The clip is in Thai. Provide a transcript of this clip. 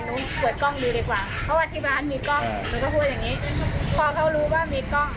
หนูเปิดกล้องดูดีกว่าเขาอธิบายขนมีกล้อง